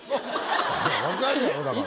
わかるやろだから。